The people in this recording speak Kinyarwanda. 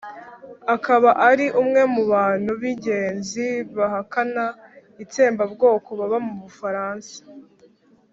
akaba ari umwe mu bantu b'ingenzi bahakana itsembabwoko baba mu bufaransa